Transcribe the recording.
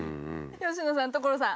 佳乃さん所さん。